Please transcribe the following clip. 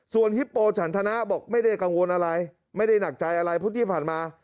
ส่วนฮิปโปฉันธนะบอกไม่ได้กังวลอะไรไม่ได้หนักใจอะไรเพราะที่ผ่านมา